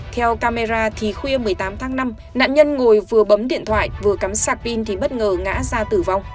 theo camera thì khuya một mươi tám tháng năm nạn nhân ngồi vừa bấm điện thoại vừa cắm sạc pin thì bất ngờ ngã ra tử vong